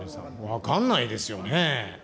分かんないですよね。